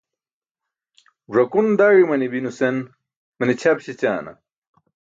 Ẓakun daẏ i̇mani̇mi nusen mene ćʰap śećaana?